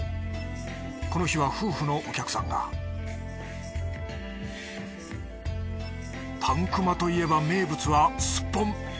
この日は夫婦のお客さんがたん熊といえば名物はすっぽん。